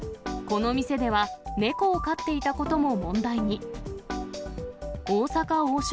この店では、猫を飼っていたことも問題に。